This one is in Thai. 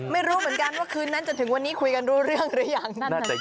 ไม่รู้เหมือนกันว่าคืนนั้นจะถึงวันนี้คุยกันรู้เรื่องหรือยัง